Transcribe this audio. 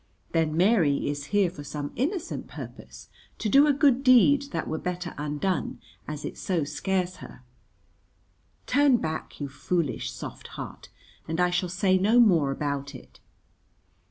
Then Mary is here for some innocent purpose, to do a good deed that were better undone, as it so scares her. Turn back, you foolish, soft heart, and I shall say no more about it.